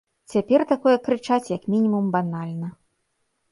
Цяпер такое крычаць як мінімум банальна.